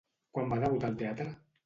Quan va debutar al teatre?